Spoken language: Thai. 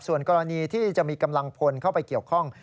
ส่วนกรณีที่จะมีกำลังพลเข้าไปเกี่ยวข้อง